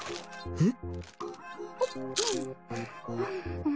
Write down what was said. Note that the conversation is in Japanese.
えっ？